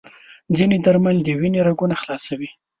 ځینې درمل د وینې رګونه خلاصوي.